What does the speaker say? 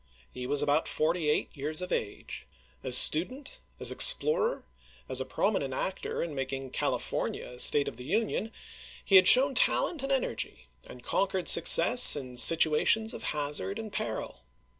He was about forty eight years of age. As student, as explorer, as a prominent actor in making Cali fornia a State of the Union, he had shown talent and energy, and conquered success in situations of hazard and peril.